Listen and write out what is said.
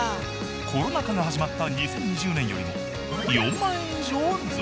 コロナ禍が始まった２０２０年よりも４万円以上増加。